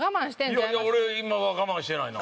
いや俺今は我慢してないな。